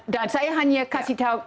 dan saya hanya kasih tahu